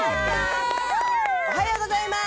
おはようございます！